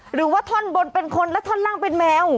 หรือว่าท่อนบนเป็นคนและท่อนล่างเป็นแมว